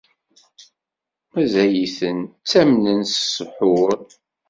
Mazal-ten ttamnen s ssḥur.